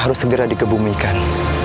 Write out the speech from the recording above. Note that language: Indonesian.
harus segera dikebumikan